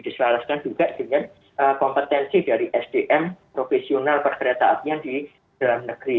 diselaraskan juga dengan kompetensi dari sdm profesional perkereta apian di dalam negeri